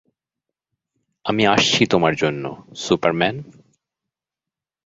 আমি আসছি তোমার জন্য, সুপারম্যান।